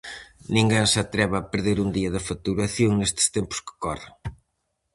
Ninguén se atreve a perder un día de facturación nestes tempos que corren.